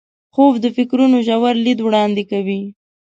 خوب د فکرونو ژور لید وړاندې کوي